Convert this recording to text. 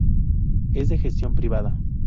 Es de gestión privada.